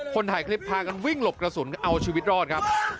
ถ่ายคลิปพากันวิ่งหลบกระสุนเอาชีวิตรอดครับ